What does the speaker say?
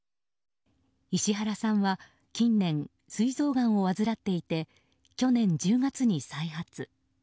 石原さんは近年、すい臓がんを患っていて去年１０月に再発。